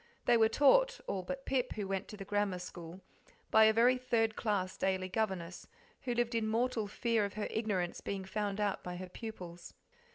They were taught all but Pip, who went to the grammar school by a very third class daily governess, who lived in mortal fear of her ignorance being found out by her pupils.